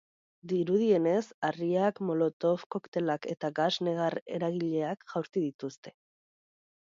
Dirudienez, harriak, molotov koktelak eta gas negar-eragileak jaurti dituzte.